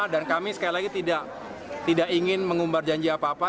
dan kami sekali lagi tidak ingin mengumbar janji apa apa